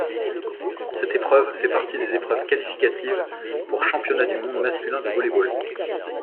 Cette épreuve fait partie des épreuves qualificatives pour Championnat du monde masculin de volley-ball.